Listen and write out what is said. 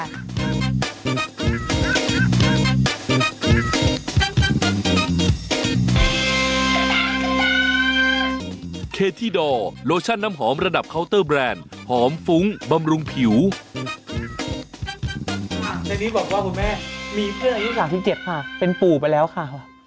ในนี้บอกว่าคุณแม่มีเพื่อนอายุ๓๗ค่ะเป็นปู่ไปแล้วค่ะ